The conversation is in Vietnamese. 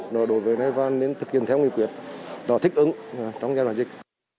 đối với này và nên thực hiện theo nguyên quyền đó thích ứng trong giai đoạn dịch